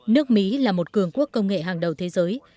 nước mỹ là một cường quốc công nghệ hàng đầu thế giới